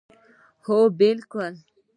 هو بلکل